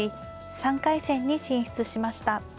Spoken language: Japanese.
３回戦に進出しました。